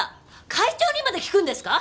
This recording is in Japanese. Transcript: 会長にまで聞くんですか！？